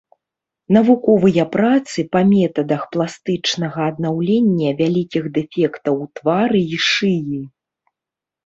Навуковыя працы па метадах пластычнага аднаўлення вялікіх дэфектаў твару і шыі.